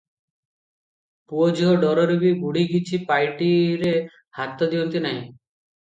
ପୁଅ ଝିଅ ଡରରେ ବି ବୁଢ଼ୀ କିଛି ପାଇଟିରେ ହାତ ଦିଅନ୍ତି ନାହିଁ ।